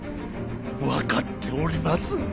分かっております。